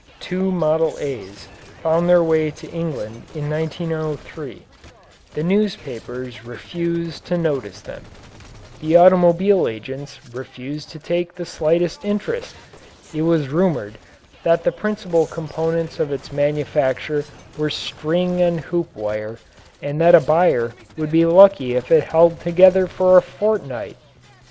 Two "Model A's" found their way to England in 1903. The newspapers refused to notice them. The automobile agents refused to take the slightest interest. It was rumoured that the principal components of its manufacture were string and hoop wire and that a buyer would be lucky if it held together for a fortnight!